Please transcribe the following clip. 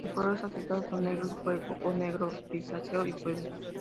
Los colores aceptados son negro y fuego, o negro-grisáceo y fuego.